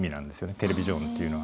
テレビジョンっていうのは。